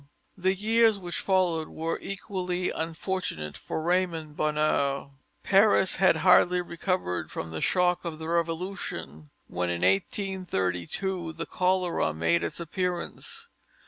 The years which followed were equally unfortunate for Raymond Bonheur: Paris had hardly recovered from the shock of the Revolution, when in 1832 the cholera made its appearance.